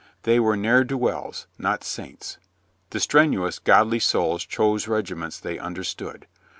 They were ne'er do wells, not saints. The strenuous, godly souls chose regiments they understood.